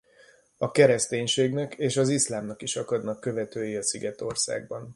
A kereszténységnek és az iszlámnak is akadnak követői a szigetországban.